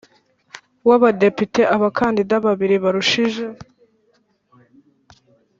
w Abadepite abakandida babiri barushije